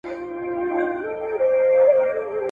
استاد شاګرد ته د کتابونو ښودنه وکړه.